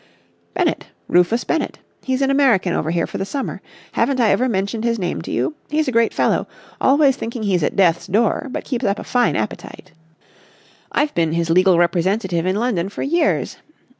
"Bennett. Rufus Bennett. He's an American over here for the summer. Haven't I ever mentioned his name to you? He's a great fellow. Always thinking he's at death's door, but keeps up a fine appetite. I've been his legal representative in London for years.